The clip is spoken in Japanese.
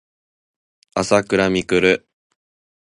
あさくらみくる